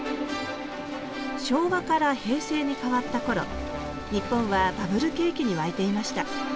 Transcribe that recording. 昭和から平成に変わったころ日本はバブル景気に沸いていました。